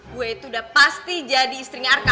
gue itu udah pasti jadi istrinya arka